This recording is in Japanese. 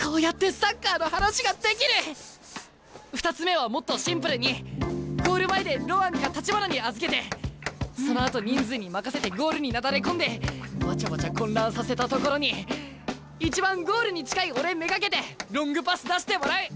２つ目はもっとシンプルにゴール前でロアンか橘に預けてそのあと人数に任せてゴールになだれ込んでわちゃわちゃ混乱させたところに一番ゴールに近い俺目がけてロングパス出してもらう。